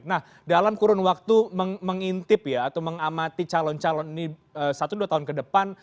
nah dalam kurun waktu mengintip ya atau mengamati calon calon ini satu dua tahun ke depan